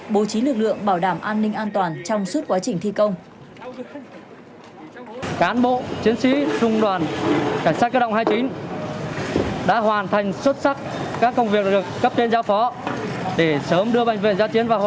bố trí lực lượng bảo đảm an ninh an toàn trong suốt quá trình thi công